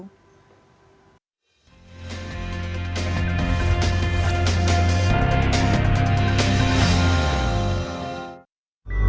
pertemuan ini juga merupakan bentuk keberhasilan indonesia